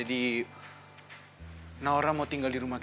kamu tanggal berapa